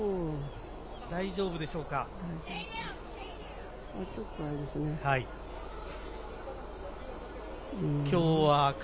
大丈夫でしょうか。